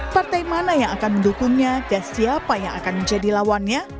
partai mana yang akan mendukungnya dan siapa yang akan menjadi lawannya